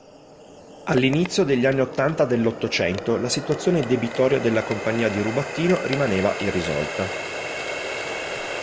All'inizio degli anni ottanta dell'Ottocento la situazione debitoria della compagnia di Rubattino rimaneva irrisolta.